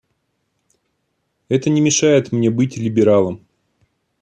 Это не мешает мне быть либералом.